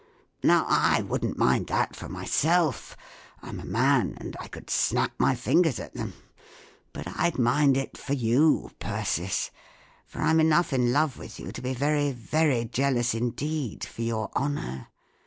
Now, I wouldn't mind that for myself; I'm a man, and I could snap my fingers at them ; but I'd mind it for you, Persis, for I'm enough in love with you to be very, very jealous, indeed, for your honour.